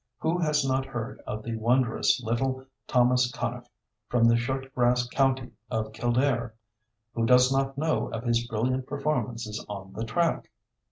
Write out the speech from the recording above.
Who has not heard of the wondrous little Thomas Conneff from the short grass county of Kildare? Who does not know of his brilliant performances on the track?